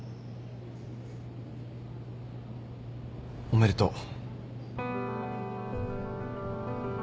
おめでとう。